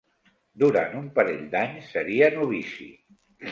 Durant un parell d'anys seria novici.